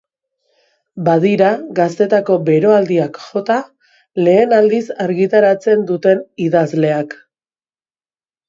Badira gaztetako beroaldiak jota lehen aldiz argitaratzen duten idazleak.